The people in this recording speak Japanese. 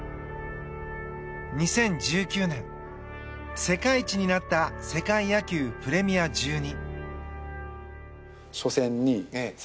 ２０１９年、世界一になった世界野球プレミア１２。